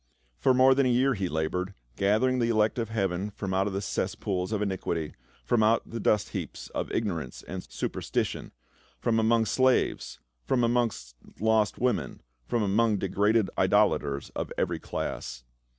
For more than a year he labored, gathering the elect of heaven from out the cesspools of iniquity, from out the dust heaps of ignorance and superstition ; from among slaves, from among lost women, from among degraded idolaters of every class.